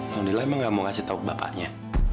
nonila emang gak mau ngasih tau ke bapaknya